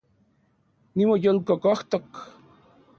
Nimoyolkokojtok